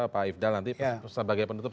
pak ifdal nanti sebagai penutup